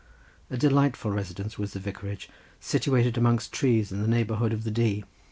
A delightful residence was the vicarage, situated amongst trees in the neighbourhood of the Dee.